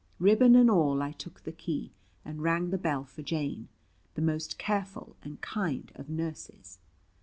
Ribbon and all I took the key, and rang the bell for Jane, the most careful and kind of nurses.